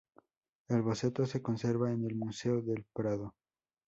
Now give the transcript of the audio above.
El boceto se conserva en el Museo del Prado.